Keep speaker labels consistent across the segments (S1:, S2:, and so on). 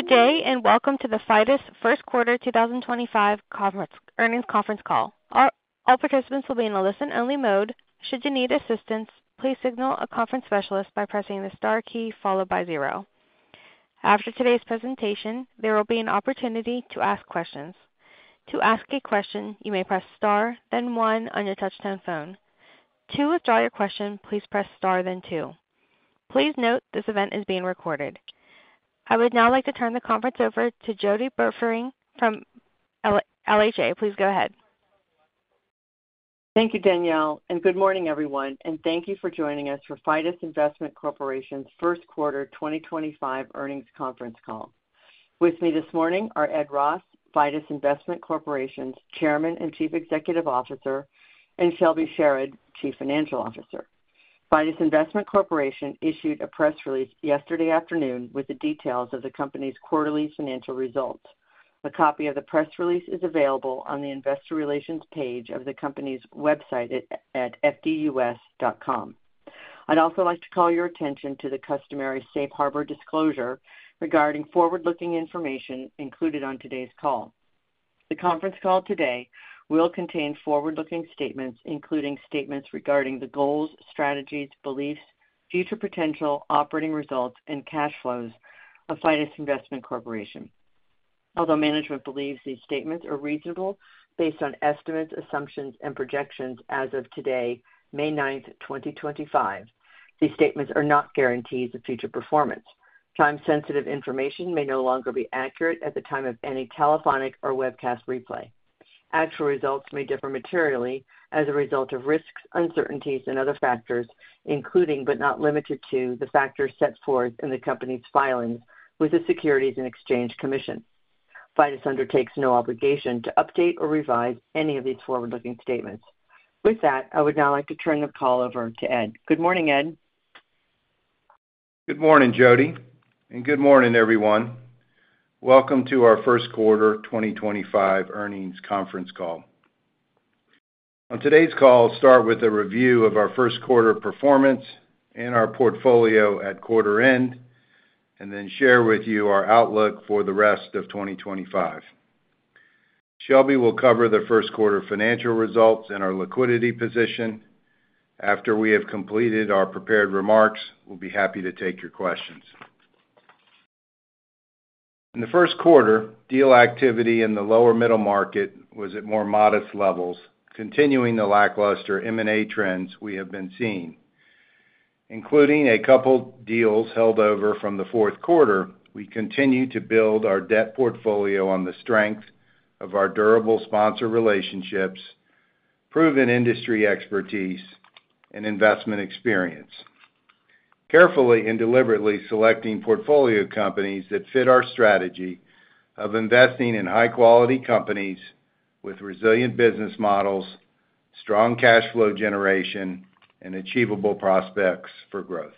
S1: Good day and welcome to the Fidus First Quarter 2025 Earnings Conference Call. All participants will be in a listen-only mode. Should you need assistance, please signal a conference specialist by pressing the star key followed by zero. After today's presentation, there will be an opportunity to ask questions. To ask a question, you may press star, then one on your touch-tone phone. To withdraw your question, please press star, then two. Please note this event is being recorded. I would now like to turn the conference over to Jody Burfening from LHA. Please go ahead.
S2: Thank you, Danielle, and good morning, everyone. Thank you for joining us for Fidus Investment Corporation's First Quarter 2025 Earnings Conference Call. With me this morning are Ed Ross, Fidus Investment Corporation's Chairman and Chief Executive Officer, and Shelby Sherard, Chief Financial Officer. Fidus Investment Corporation issued a press release yesterday afternoon with the details of the company's quarterly financial results. A copy of the press release is available on the investor relations page of the company's website at fdus.com. I'd also like to call your attention to the customary safe harbor disclosure regarding forward-looking information included on today's call. The conference call today will contain forward-looking statements, including statements regarding the goals, strategies, beliefs, future potential, operating results, and cash flows of Fidus Investment Corporation. Although management believes these statements are reasonable based on estimates, assumptions, and projections as of today, May 9th, 2025, these statements are not guarantees of future performance. Time-sensitive information may no longer be accurate at the time of any telephonic or webcast replay. Actual results may differ materially as a result of risks, uncertainties, and other factors, including but not limited to the factors set forth in the company's filings with the Securities and Exchange Commission. Fidus undertakes no obligation to update or revise any of these forward-looking statements. With that, I would now like to turn the call over to Ed. Good morning, Ed.
S3: Good morning, Jody, and good morning, everyone. Welcome to our First Quarter 2025 Earnings Conference Call. On today's call, I'll start with a review of our first quarter performance and our portfolio at quarter end, and then share with you our outlook for the rest of 2025. Shelby will cover the first quarter financial results and our liquidity position. After we have completed our prepared remarks, we'll be happy to take your questions. In the first quarter, deal activity in the lower middle market was at more modest levels, continuing the lackluster M&A trends we have been seeing. Including a couple of deals held over from the fourth quarter, we continue to build our debt portfolio on the strength of our durable sponsor relationships, proven industry expertise, and investment experience, carefully and deliberately selecting portfolio companies that fit our strategy of investing in high-quality companies with resilient business models, strong cash flow generation, and achievable prospects for growth.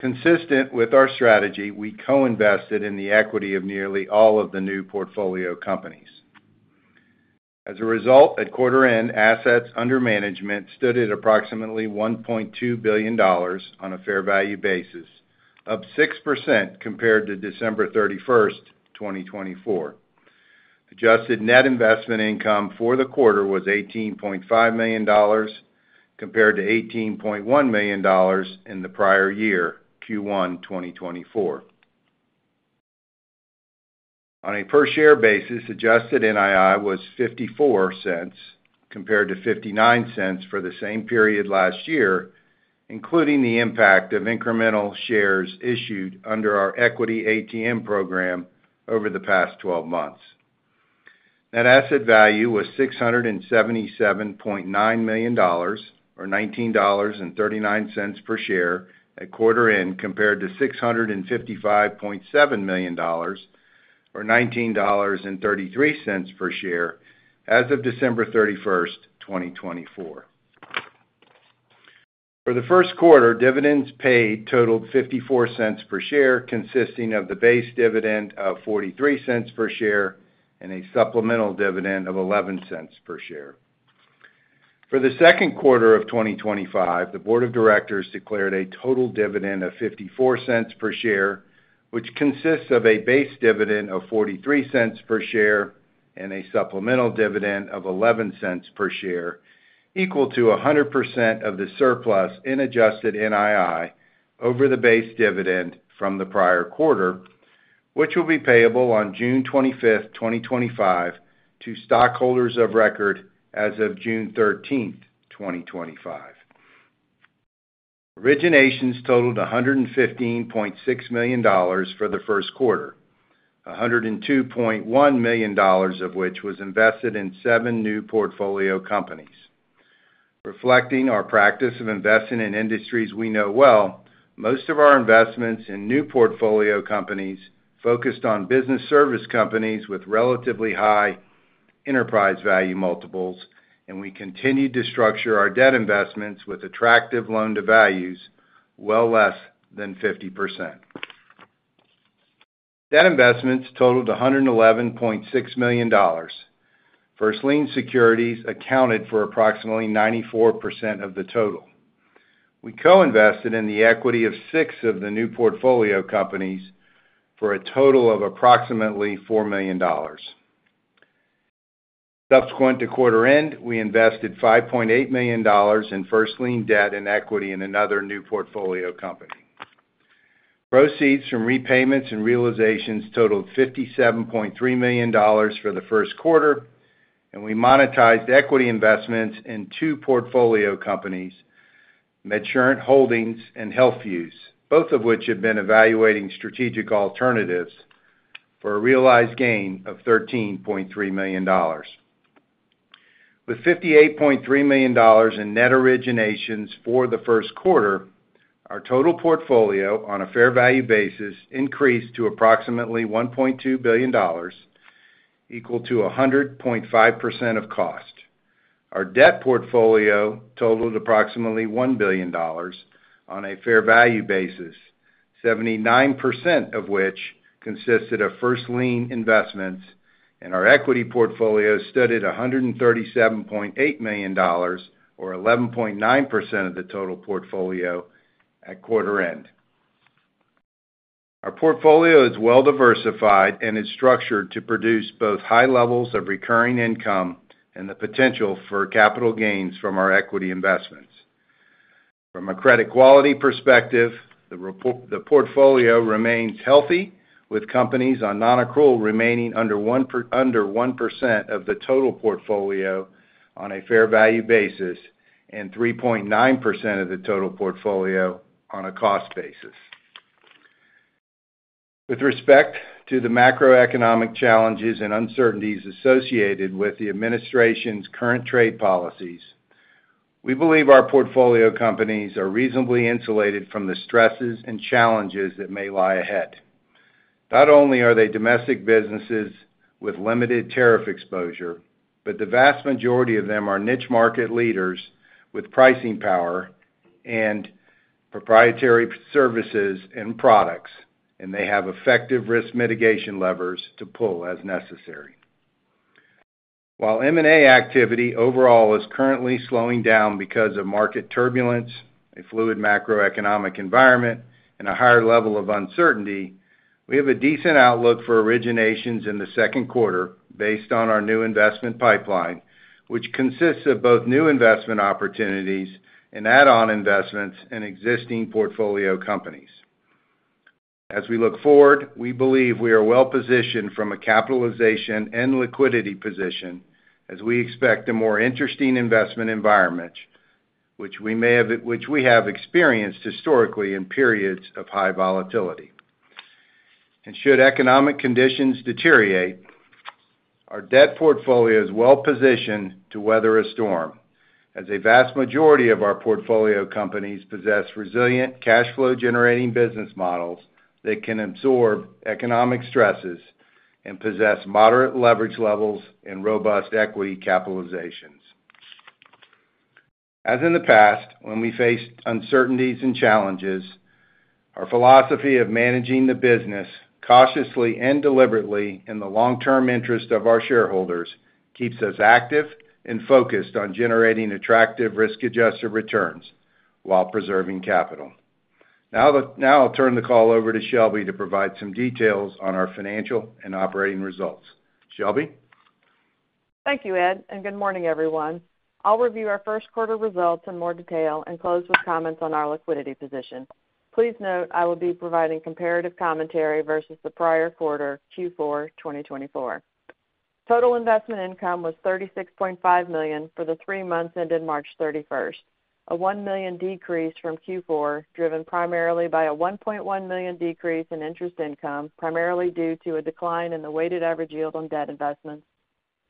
S3: Consistent with our strategy, we co-invested in the equity of nearly all of the new portfolio companies. As a result, at quarter end, assets under management stood at approximately $1.2 billion on a fair value basis, up 6% compared to December 31st, 2024. Adjusted net investment income for the quarter was $18.5 million, compared to $18.1 million in the prior year, Q1, 2024. On a per-share basis, adjusted NII was $0.54, compared to $0.59 for the same period last year, including the impact of incremental shares issued under our equity ATM program over the past 12 months. Net asset value was $677.9 million, or $19.39 per share at quarter end, compared to $655.7 million, or $19.33 per share as of December 31st, 2024. For the first quarter, dividends paid totaled $0.54 per share, consisting of the base dividend of $0.43 per share and a supplemental dividend of $0.11 per share. For the second quarter of 2025, the Board of Directors declared a total dividend of $0.54 per share, which consists of a base dividend of $0.43 per share and a supplemental dividend of $0.11 per share, equal to 100% of the surplus in adjusted NII over the base dividend from the prior quarter, which will be payable on June 25th, 2025, to stockholders of record as of June 13th, 2025. Originations totaled $115.6 million for the first quarter, $102.1 million of which was invested in seven new portfolio companies. Reflecting our practice of investing in industries we know well, most of our investments in new portfolio companies focused on business service companies with relatively high enterprise value multiples, and we continued to structure our debt investments with attractive loan-to-values well less than 50%. Debt investments totaled $111.6 million. First Lien securities accounted for approximately 94% of the total. We co-invested in the equity of six of the new portfolio companies for a total of approximately $4 million. Subsequent to quarter-end, we invested $5.8 million in First Lien debt and equity in another new portfolio company. Proceeds from repayments and realizations totaled $57.3 million for the first quarter, and we monetized equity investments in two portfolio companies, MedSurant Holdings and Healthviews, both of which had been evaluating strategic alternatives for a realized gain of $13.3 million. With $58.3 million in net originations for the first quarter, our total portfolio on a fair value basis increased to approximately $1.2 billion, equal to 100.5% of cost. Our debt portfolio totaled approximately $1 billion on a fair value basis, 79% of which consisted of First Lien investments, and our equity portfolio stood at $137.8 million, or 11.9% of the total portfolio at quarter-end. Our portfolio is well diversified and is structured to produce both high levels of recurring income and the potential for capital gains from our equity investments. From a credit quality perspective, the portfolio remains healthy, with companies on non-accrual remaining under 1% of the total portfolio on a fair value basis and 3.9% of the total portfolio on a cost basis. With respect to the macroeconomic challenges and uncertainties associated with the administration's current trade policies, we believe our portfolio companies are reasonably insulated from the stresses and challenges that may lie ahead. Not only are they domestic businesses with limited tariff exposure, but the vast majority of them are niche market leaders with pricing power and proprietary services and products, and they have effective risk mitigation levers to pull as necessary. While M&A activity overall is currently slowing down because of market turbulence, a fluid macroeconomic environment, and a higher level of uncertainty, we have a decent outlook for originations in the second quarter based on our new investment pipeline, which consists of both new investment opportunities and add-on investments in existing portfolio companies. As we look forward, we believe we are well-positioned from a capitalization and liquidity position as we expect a more interesting investment environment, which we may have experienced historically in periods of high volatility. Should economic conditions deteriorate, our debt portfolio is well-positioned to weather a storm, as a vast majority of our portfolio companies possess resilient cashflow-generating business models that can absorb economic stresses and possess moderate leverage levels and robust equity capitalizations. As in the past, when we faced uncertainties and challenges, our philosophy of managing the business cautiously and deliberately in the long-term interest of our shareholders keeps us active and focused on generating attractive risk-adjusted returns while preserving capital. Now I'll turn the call over to Shelby to provide some details on our financial and operating results. Shelby?
S4: Thank you, Ed. Good morning, everyone. I'll review our first quarter results in more detail and close with comments on our liquidity position. Please note I will be providing comparative commentary versus the prior quarter, Q4, 2024. Total investment income was $36.5 million for the three months ended March 31st, a $1 million decrease from Q4 driven primarily by a $1.1 million decrease in interest income, primarily due to a decline in the weighted average yield on debt investments,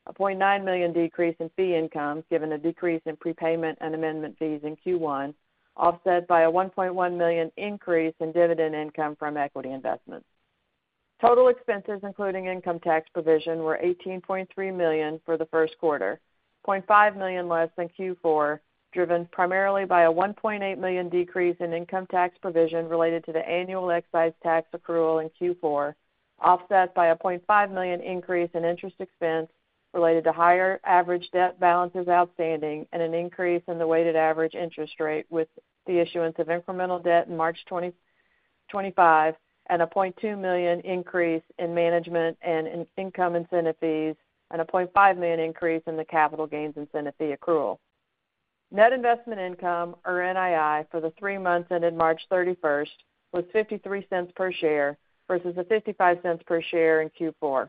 S4: a $0.9 million decrease in fee income given a decrease in prepayment and amendment fees in Q1, offset by a $1.1 million increase in dividend income from equity investments. Total expenses, including income tax provision, were $18.3 million for the first quarter, $0.5 million less than Q4, driven primarily by a $1.8 million decrease in income tax provision related to the annual excise tax accrual in Q4, offset by a $0.5 million increase in interest expense related to higher average debt balances outstanding, and an increase in the weighted average interest rate with the issuance of incremental debt in March 2025, and a $0.2 million increase in management and income incentive fees, and a $0.5 million increase in the capital gains incentive fee accrual. Net Investment Income, or NII, for the three months ended March 31st was $0.53 per share versus $0.55 per share in Q4.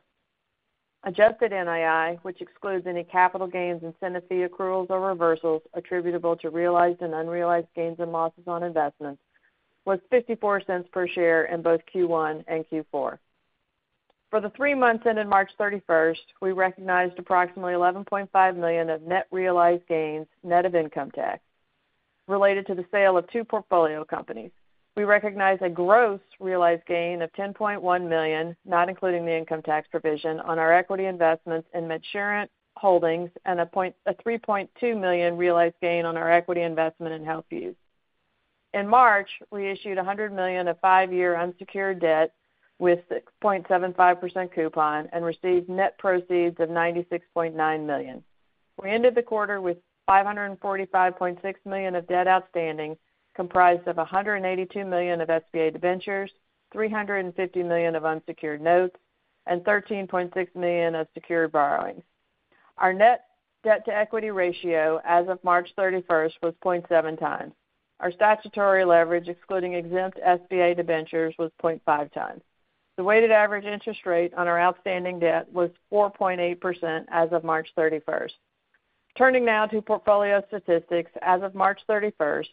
S4: Adjusted NII, which excludes any capital gains incentive fee accruals or reversals attributable to realized and unrealized gains and losses on investments, was $0.54 per share in both Q1 and Q4. For the three months ended March 31st, we recognized approximately $11.5 million of net realized gains, net of income tax, related to the sale of two portfolio companies. We recognized a gross realized gain of $10.1 million, not including the income tax provision, on our equity investments in MedSurant Holdings and a $3.2 million realized gain on our equity investment in Healthview. In March, we issued $100 million of five-year unsecured debt with a 0.75% coupon and received net proceeds of $96.9 million. We ended the quarter with $545.6 million of debt outstanding, comprised of $182 million of SBA Debentures, $350 million of unsecured notes, and $13.6 million of secured borrowings. Our net debt-to-equity ratio as of March 31st was 0.7 times. Our statutory leverage, excluding exempt SBA Debentures, was 0.5 times. The weighted average interest rate on our outstanding debt was 4.8% as of March 31st. Turning now to portfolio statistics, as of March 31st,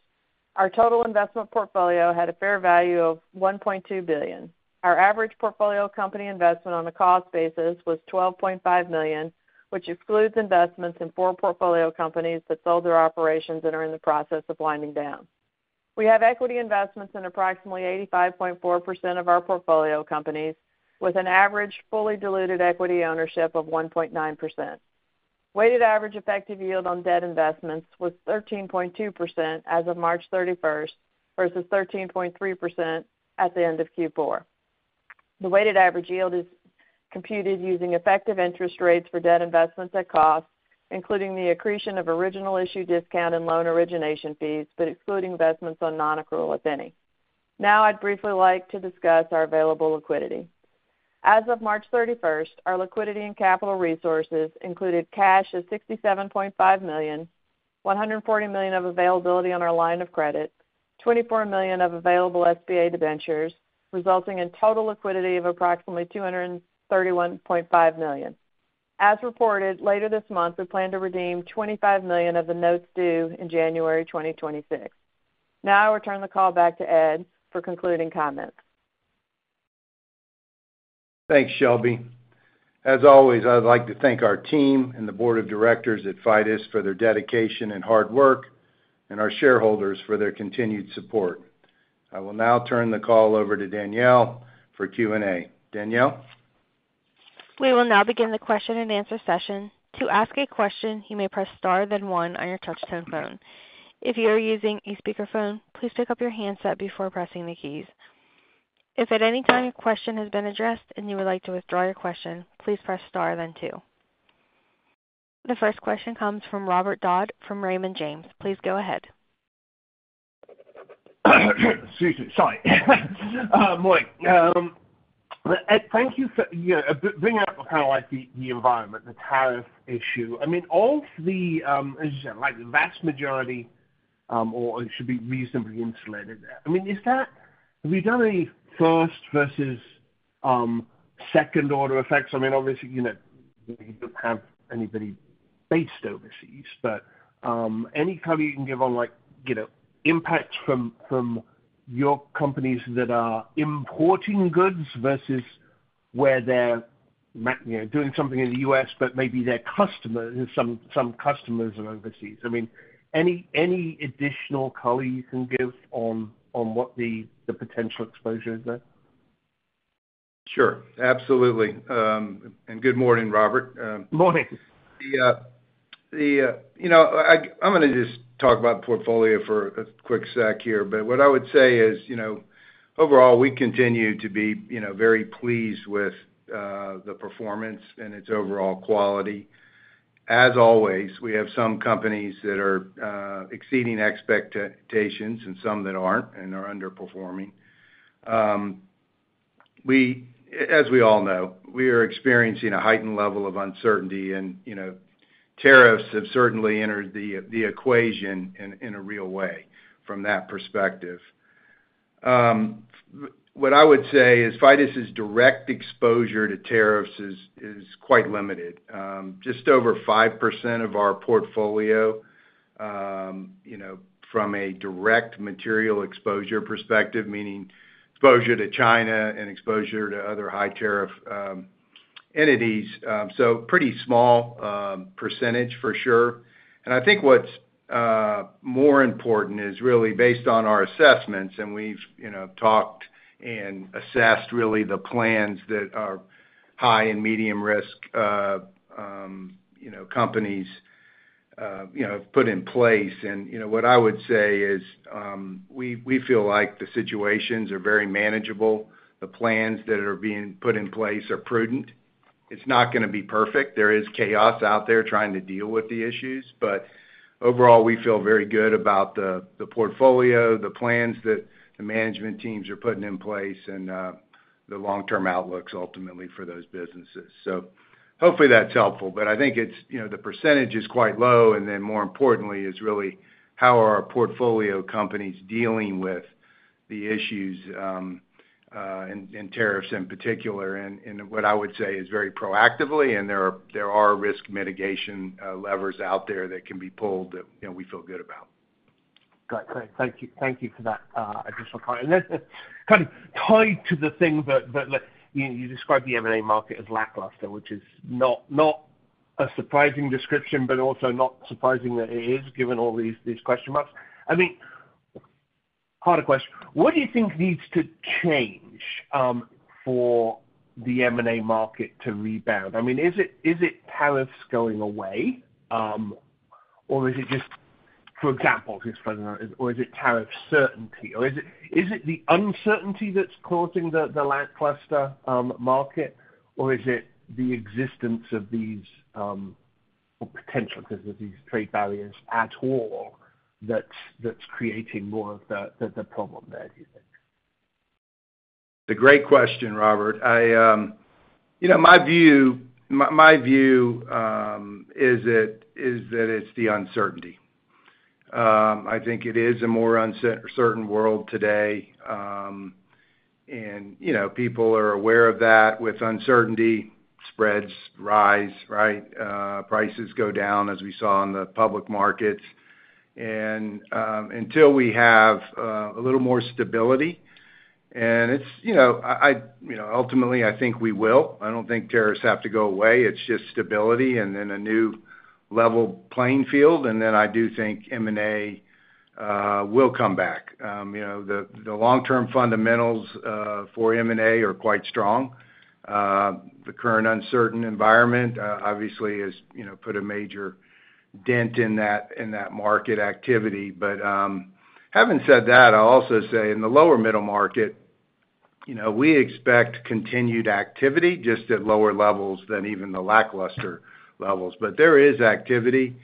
S4: our total investment portfolio had a fair value of $1.2 billion. Our average portfolio company investment on a cost basis was $12.5 million, which excludes investments in four portfolio companies that sold their operations and are in the process of winding down. We have equity investments in approximately 85.4% of our portfolio companies, with an average fully diluted equity ownership of 1.9%. Weighted average effective yield on debt investments was 13.2% as of March 3st versus 13.3% at the end of Q4. The weighted average yield is computed using effective interest rates for debt investments at cost, including the accretion of original issue discount and loan origination fees, but excluding investments on non-accrual, if any. Now I'd briefly like to discuss our available liquidity. As of March 31st, our liquidity and capital resources included cash of $67.5 million, $140 million of availability on our line of credit, $24 million of available SBA Debentures, resulting in total liquidity of approximately $231.5 million. As reported, later this month, we plan to redeem $25 million of the notes due in January 2026. Now I will turn the call back to Ed for concluding comments.
S3: Thanks, Shelby. As always, I'd like to thank our team and the Board of Directors at Fidus for their dedication and hard work, and our shareholders for their continued support. I will now turn the call over to Danielle for Q&A. Danielle?
S1: We will now begin the question and answer session. To ask a question, you may press star then one on your touch-tone phone. If you are using a speakerphone, please pick up your handset before pressing the keys. If at any time your question has been addressed and you would like to withdraw your question, please press star then two. The first question comes from Robert Dodd from Raymond James. Please go ahead.
S5: Excuse me. Sorry. Ed, thank you for bringing up kind of like the environment, the tariff issue. I mean, all of the, as you said, like the vast majority, or it should be reasonably insulated. I mean, is that, have you done any first versus second-order effects? I mean, obviously, you do not have anybody based overseas, but any kind of you can give on like impacts from your companies that are importing goods versus where they are doing something in the U.S., but maybe their customers, some customers are overseas. I mean, any additional color you can give on what the potential exposure is there?
S3: Sure. Absolutely. Good morning, Robert.
S5: Morning.
S3: I'm going to just talk about the portfolio for a quick sec here, but what I would say is overall, we continue to be very pleased with the performance and its overall quality. As always, we have some companies that are exceeding expectations and some that aren't and are underperforming. As we all know, we are experiencing a heightened level of uncertainty, and tariffs have certainly entered the equation in a real way from that perspective. What I would say is Fidus' direct exposure to tariffs is quite limited. Just over 5% of our portfolio from a direct material exposure perspective, meaning exposure to China and exposure to otherhigh-tarifff entities, so pretty small percentage for sure. I think what's more important is really based on our assessments, and we've talked and assessed really the plans that our high and medium-risk companies have put in place. What I would say is we feel like the situations are very manageable. The plans that are being put in place are prudent. It's not going to be perfect. There is chaos out there trying to deal with the issues, but overall, we feel very good about the portfolio, the plans that the management teams are putting in place, and the long-term outlooks ultimately for those businesses. Hopefully that's helpful, but I think the percentage is quite low, and then more importantly is really how are our portfolio companies dealing with the issues in tariffs in particular, and what I would say is very proactively, and there are risk mitigation levers out there that can be pulled that we feel good about.
S5: Great. Thank you for that additional comment. Kind of tied to the thing that you described, the M&A market as lackluster, which is not a surprising description, but also not surprising that it is given all these question marks. I mean, harder question. What do you think needs to change for the M&A market to rebound? I mean, is it tariffs going away, or is it just, for example, just for the record, or is it tariff certainty? Or is it the uncertainty that's causing the lackluster market, or is it the existence of these potential, because there are these trade barriers at all, that's creating more of the problem there, do you think?
S3: It's a great question, Robert. My view is that it's the uncertainty. I think it is a more uncertain world today, and people are aware of that. With uncertainty, spreads rise, right? Prices go down as we saw in the public markets. Until we have a little more stability, and ultimately I think we will. I don't think tariffs have to go away. It's just stability and then a new level playing field. I do think M&A will come back. The long-term fundamentals for M&A are quite strong. The current uncertain environment obviously has put a major dent in that market activity. Having said that, I'll also say in the lower middle market, we expect continued activity just at lower levels than even the lackluster levels. There is activity.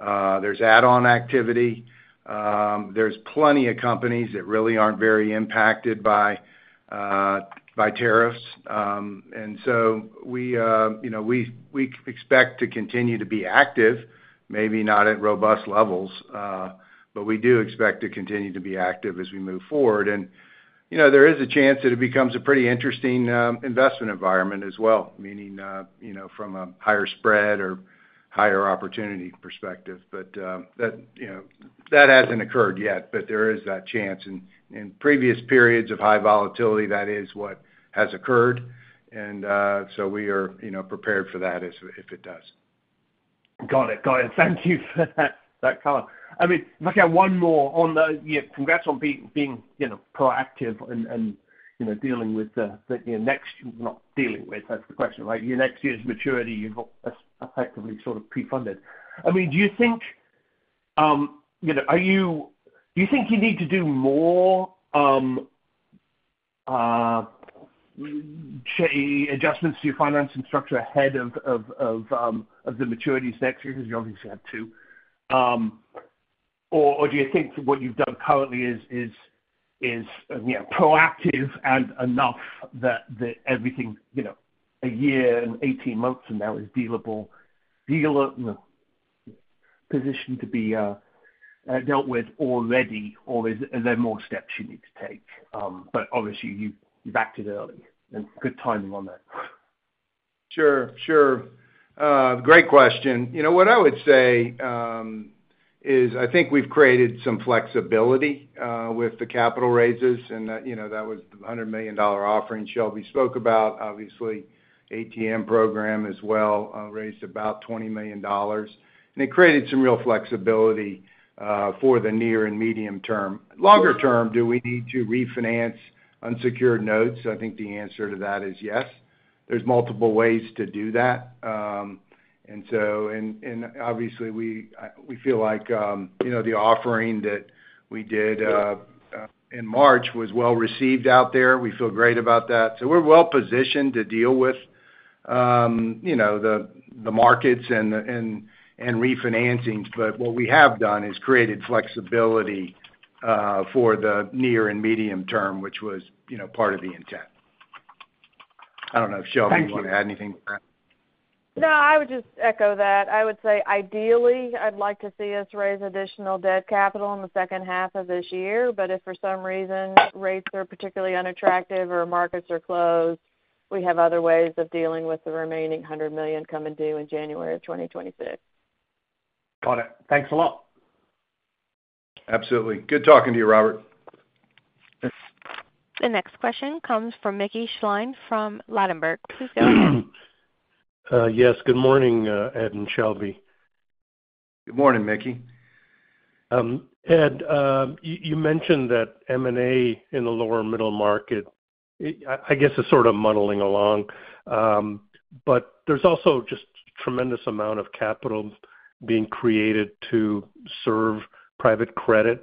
S3: There's add-on activity. There are plenty of companies that really aren't very impacted by tariffs. We expect to continue to be active, maybe not at robust levels, but we do expect to continue to be active as we move forward. There is a chance that it becomes a pretty interesting investment environment as well, meaning from a higher spread or higher opportunity perspective. That has not occurred yet, but there is that chance. In previous periods of high volatility, that is what has occurred. We are prepared for that if it does.
S5: Got it. Got it. Thank you for that comment. I mean, if I can add one more on that, congrats on being proactive and dealing with the next—well, not dealing with, that's the question, right? Your next year's maturity, you've effectively sort of pre-funded. I mean, do you think you need to do more adjustments to your financing structure ahead of the maturities next year? Because you obviously have two. Do you think what you've done currently is proactive and enough that everything a year and 18 months from now is dealable, positioned to be dealt with already, or are there more steps you need to take? Obviously, you've acted early. Good timing on that.
S3: Sure. Sure. Great question. You know what I would say is I think we've created some flexibility with the capital raises, and that was the $100 million offering Shelby spoke about. Obviously, ATM program as well raised about $20 million. It created some real flexibility for the near and medium term. Longer term, do we need to refinance unsecured notes? I think the answer to that is yes. There are multiple ways to do that. Obviously, we feel like the offering that we did in March was well-received out there. We feel great about that. We are well-positioned to deal with the markets and refinancings. What we have done is created flexibility for the near and medium term, which was part of the intent. I do not know if Shelby wanted to add anything to that.
S4: No, I would just echo that. I would say ideally, I'd like to see us raise additional debt capital in the second half of this year. If for some reason rates are particularly unattractive or markets are closed, we have other ways of dealing with the remaining $100 million coming due in January of 2026.
S5: Got it. Thanks a lot.
S3: Absolutely. Good talking to you, Robert.
S1: The next question comes from Mickey Schleien from Ladenburg. Please go.
S6: Yes. Good morning, Ed and Shelby.
S3: Good morning, Mickey.
S6: Ed, you mentioned that M&A in the lower middle market, I guess it's sort of muddling along, but there's also just a tremendous amount of capital being created to serve private credit.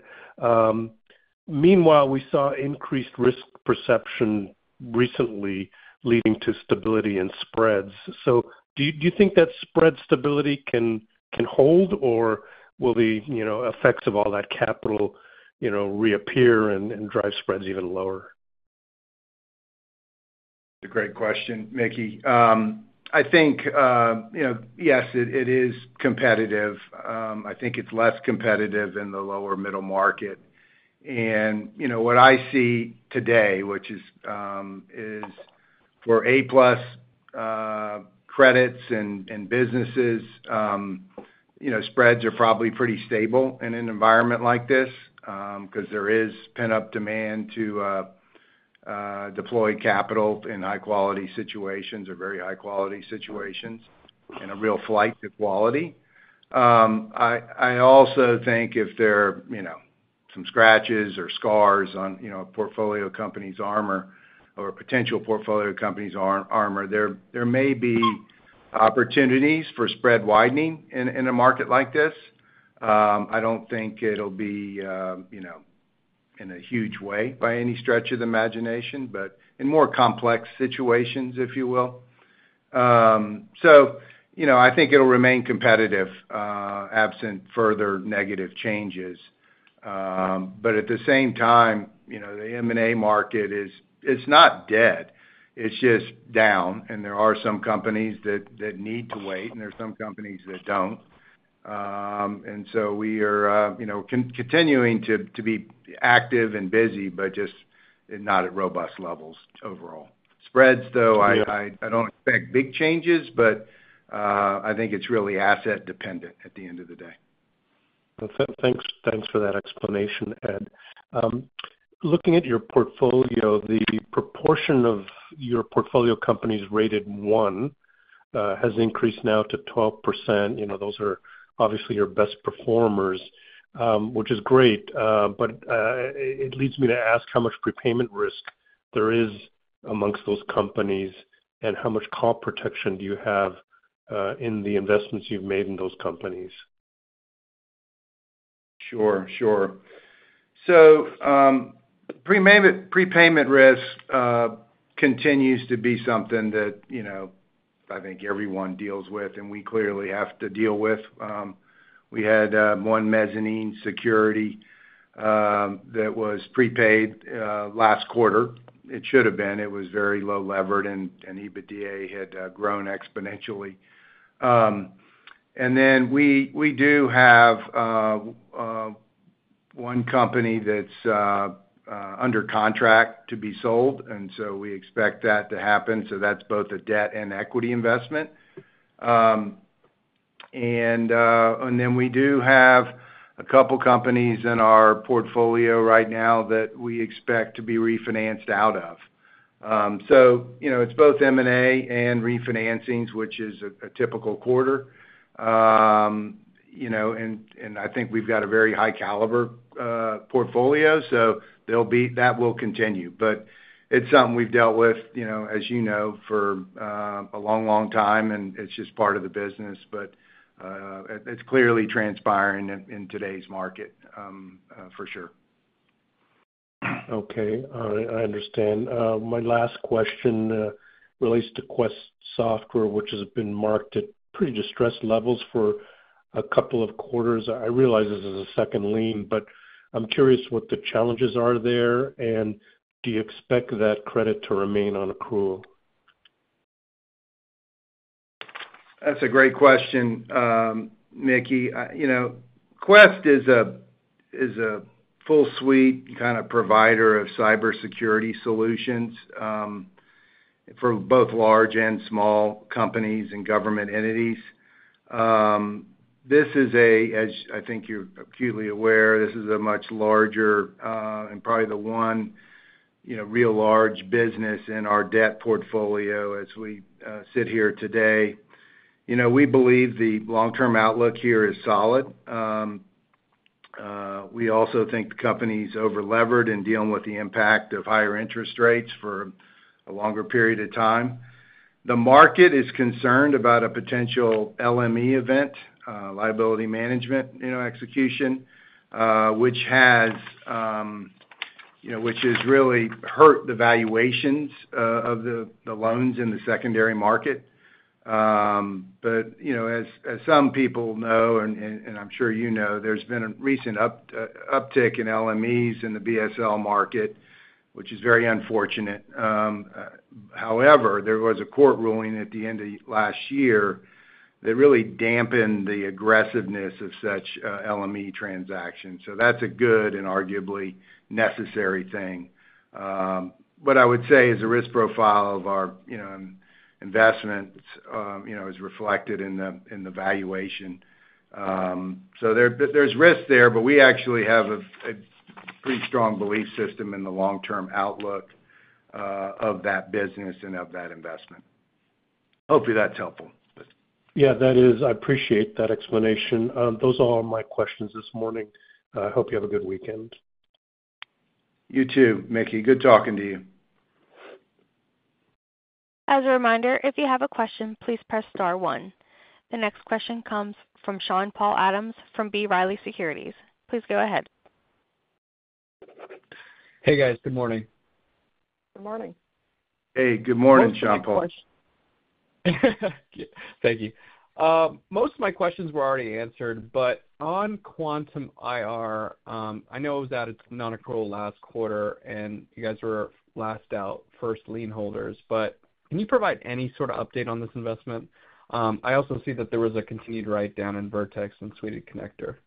S6: Meanwhile, we saw increased risk perception recently leading to stability in spreads. Do you think that spread stability can hold, or will the effects of all that capital reappear and drive spreads even lower?
S3: It's a great question, Mickey. I think, yes, it is competitive. I think it's less competitive in the lower middle market. What I see today, which is for A-plus credits and businesses, spreads are probably pretty stable in an environment like this because there is pent-up demand to deploy capital in high-quality situations or very high-quality situations and a real flight to quality. I also think if there are some scratches or scars on a portfolio company's armor or potential portfolio company's armor, there may be opportunities for spread widening in a market like this. I don't think it'll be in a huge way by any stretch of the imagination, but in more complex situations, if you will. I think it'll remain competitive absent further negative changes. At the same time, the M&A market is not dead. It's just down, and there are some companies that need to wait, and there are some companies that do not. We are continuing to be active and busy, but just not at robust levels overall. Spreads, though, I do not expect big changes, but I think it is really asset-dependent at the end of the day.
S6: Thanks for that explanation, Ed. Looking at your portfolio, the proportion of your portfolio companies rated one has increased now to 12%. Those are obviously your best performers, which is great. It leads me to ask how much prepayment risk there is amongst those companies and how much call protection do you have in the investments you've made in those companies?
S3: Sure. Sure. Prepayment risk continues to be something that I think everyone deals with, and we clearly have to deal with. We had one mezzanine security that was prepaid last quarter. It should have been. It was very low levered, and EBITDA had grown exponentially. We do have one company that is under contract to be sold, and we expect that to happen. That is both a debt and equity investment. We do have a couple of companies in our portfolio right now that we expect to be refinanced out of. It is both M&A and refinancings, which is a typical quarter. I think we have a very high-caliber portfolio, so that will continue. It is something we have dealt with, as you know, for a long, long time, and it is just part of the business. It is clearly transpiring in today's market for sure.
S6: Okay. All right. I understand. My last question relates to Quest Software, which has been marked at pretty distressed levels for a couple of quarters. I realize this is a second lien, but I'm curious what the challenges are there, and do you expect that credit to remain on non-accrual?
S3: That's a great question, Mickey. Quest is a full-suite kind of provider of cybersecurity solutions for both large and small companies and government entities. This is a, as I think you're acutely aware, this is a much larger and probably the one real large business in our debt portfolio as we sit here today. We believe the long-term outlook here is solid. We also think the company's over-levered and dealing with the impact of higher interest rates for a longer period of time. The market is concerned about a potential LME event, liability management execution, which has really hurt the valuations of the loans in the secondary market. As some people know, and I'm sure you know, there's been a recent uptick in LMEs in the BSL market, which is very unfortunate. However, there was a court ruling at the end of last year that really dampened the aggressiveness of such LME transactions. That is a good and arguably necessary thing. What I would say is the risk profile of our investments is reflected in the valuation. There is risk there, but we actually have a pretty strong belief system in the long-term outlook of that business and of that investment. Hopefully, that is helpful.
S6: Yeah, that is. I appreciate that explanation. Those are all my questions this morning. I hope you have a good weekend.
S3: You too, Mickey. Good talking to you.
S1: As a reminder, if you have a question, please press star one. The next question comes from Sean-Paul Adams from B. Riley Securities. Please go ahead.
S7: Hey, guys. Good morning.
S4: Good morning.
S3: Hey. Good morning, Sean-Paul.
S7: Thank you. Most of my questions were already answered, but on Quantum IR, I know it was at its non-accrual last quarter, and you guys were last out First Lien holders. Can you provide any sort of update on this investment? I also see that there was a continued write-down in Vertex and [Sweded] Connector.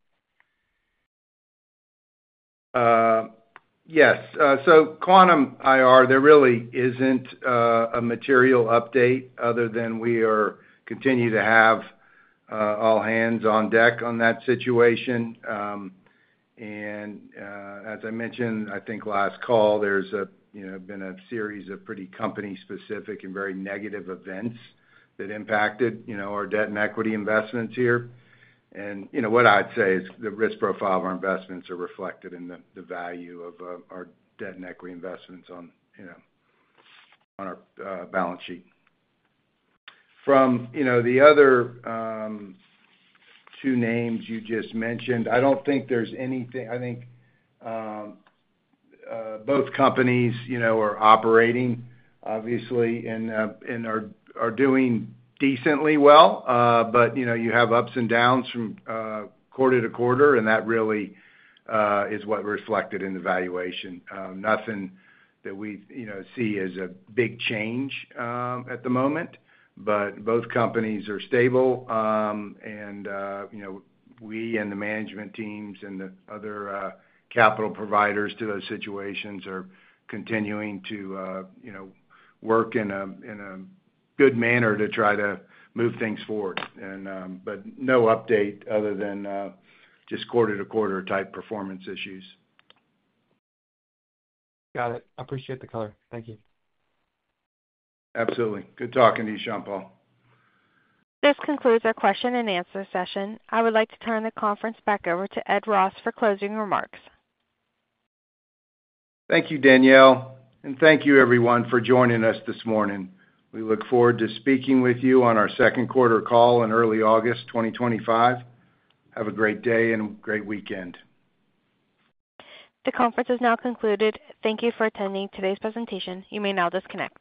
S3: Yes. Quantum IR, there really is not a material update other than we continue to have all hands-on deck on that situation. As I mentioned, I think last call, there has been a series of pretty company-specific and very negative events that impacted our debt and equity investments here. What I would say is the risk profile of our investments is reflected in the value of our debt and equity investments on our balance sheet. From the other two names you just mentioned, I do not think there is anything. I think both companies are operating, obviously, and are doing decently well. You have ups and downs from quarter to quarter, and that really is what is reflected in the valuation. Nothing that we see as a big change at the moment, but both companies are stable. We and the management teams and the other capital providers to those situations are continuing to work in a good manner to try to move things forward. There is no update other than just quarter-to-quarter type performance issues.
S7: Got it. I appreciate the color. Thank you.
S3: Absolutely. Good talking to you, Sean Paul.
S1: This concludes our question-and-answer session. I would like to turn the conference back over to Ed Ross for closing remarks.
S3: Thank you, Danielle. Thank you, everyone, for joining us this morning. We look forward to speaking with you on our ssecond-quartercall in early August 2025. Have a great day and a great weekend.
S1: The conference is now concluded. Thank you for attending today's presentation. You may now disconnect.